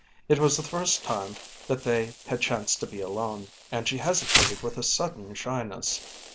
It was the first time that they had chanced to be alone, and she hesitated with a sudden shyness.